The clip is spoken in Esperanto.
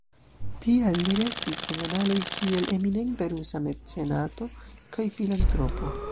Tial li restis en analoj kiel eminenta rusa mecenato kaj filantropo.